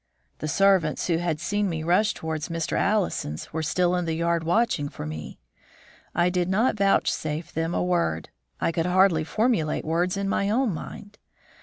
The servants, who had seen me rush towards Mr. Allison's, were still in the yard watching for me. I did not vouchsafe them a word. I could hardly formulate words in my own mind.